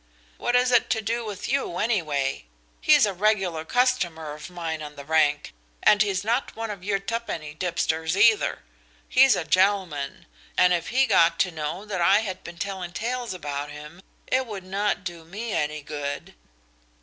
"What's it to do with you, anyway? He's a regular customer of mine on the rank, and he's not one of your tuppenny tipsters, either. He's a gentleman. And if he got to know that I had been telling tales about him it would not do me any good."